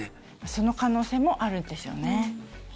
その可能性もあるんですよね。